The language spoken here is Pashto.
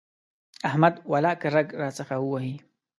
احمد ولاکه رګ راڅخه ووهي.